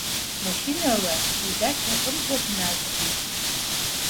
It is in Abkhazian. Машьынала идача аҟынӡа дназгеит.